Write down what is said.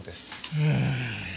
うん。